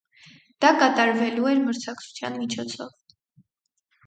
Դա կատարվելու էր մրցակցության միջոցով։